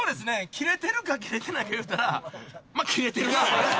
キレてるかキレてないか言うたらまあキレてるな。